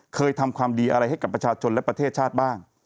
เคยทำความดีอะไรให้กับประชาชนและประเทศชาติบ้าง